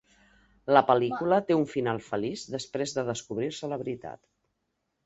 La pel·lícula té un final feliç després de descobrir-se la veritat.